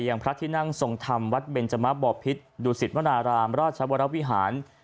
อย่างพระที่นั่งทรงธรรมวัดเบญจมะบอบพิษดูสิทธิ์มณารามราชวรวิหาร